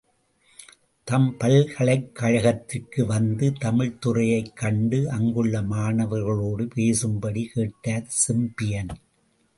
தம் பல்கலைக் கழகத்திற்கு வந்து, தமிழ் துறையைக் கண்டு, அங்குள்ள மாணவர்களோடு பேசும்படி கேட்டார் செம்பியன்.